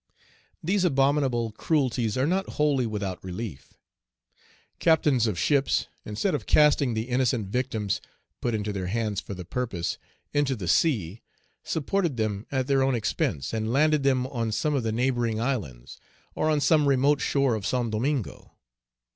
These abominable cruelties are not wholly without relief. Captains of ships, instead of casting the innocent victims, put into their hands for the purpose, into the sea, supported them at their own expense, and landed them on some of the neighboring islands, or on some remote shore of Saint Domingo.